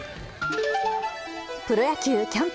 プロ野球キャンプ。